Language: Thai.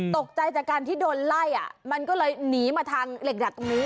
ตกใจจากการที่โดนไล่มันก็เลยหนีมาทางเหล็กดัดตรงนี้